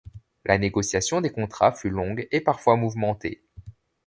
La négociation des contrats fut longue et parfois mouvementée.